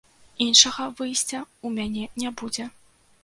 Іншага выйсця ў мяне не будзе.